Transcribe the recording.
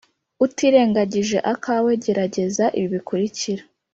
Utirengagije akawe gerageza ibi bikurikira